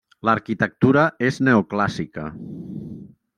L'arquitectura és neoclàssica.